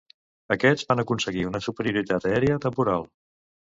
Aquests van aconseguir una superioritat aèria temporal.